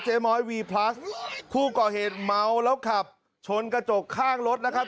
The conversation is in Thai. ้อยวีพลัสผู้ก่อเหตุเมาแล้วขับชนกระจกข้างรถนะครับ